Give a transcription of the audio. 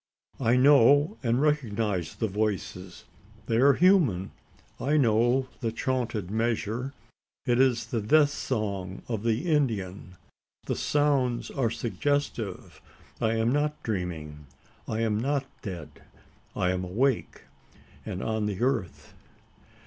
I know and recognise the voices: they are human. I know the chaunted measure: it is the death song of the Indian! The sounds are suggestive. I am not dreaming I am not dead. I am awake, and on the earth.